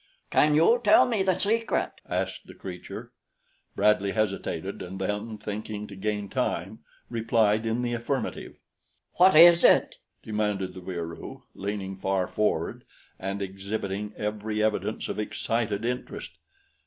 "Can you tell me the secret?" asked the creature. Bradley hesitated and then, thinking to gain time, replied in the affirmative. "What is it?" demanded the Wieroo, leaning far forward and exhibiting every evidence of excited interest.